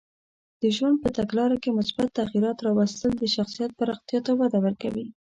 د ژوند په تګلاره کې مثبت تغییرات راوستل د شخصیت پراختیا ته وده ورکوي.